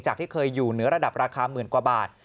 ที่เคยอยู่เหนือระดับราคาหมื่นกว่าบาท